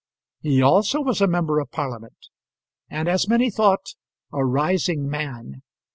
He also was a member of Parliament, and, as many thought, a rising man.